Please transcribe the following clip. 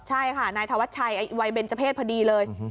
ใช่ค่ะนายธวัตชัยไว้เบนสเผศพอดีเลย